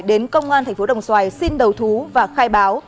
đến công an thành phố đồng xoài xin đầu thú và khai báo